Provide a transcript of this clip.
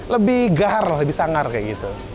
lebih gar lebih sangar kayak gitu